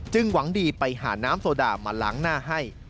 หวังดีไปหาน้ำโซดามาล้างหน้าให้